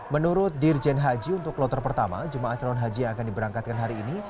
menurut dirjen haji untuk kloter pertama jemaah calon haji yang akan diberangkatkan hari ini